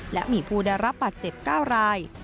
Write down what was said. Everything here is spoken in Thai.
และมีผู้ได้รับปัดเจ็บก้าวราย